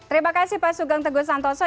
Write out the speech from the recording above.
terima kasih pak sugeng teguh santoso